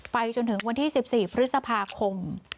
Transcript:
จนถึงวันที่๑๔พฤษภาคม